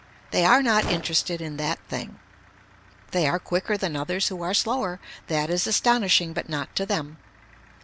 They are not interested in that thing. They are quicker than others who are slower. That is astonishing but not to them.